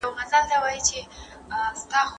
زه مخکي بازار ته تللی و!